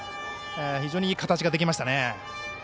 非常にいい形ができましたね。